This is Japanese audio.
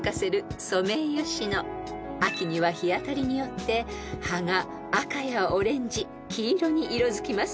［秋には日当たりによって葉が赤やオレンジ黄色に色づきます］